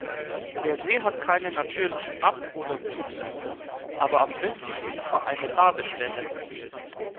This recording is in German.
Der See hat keine natürlichen Ab- oder Zuflüsse, aber am östlichen Ufer eine Badestelle.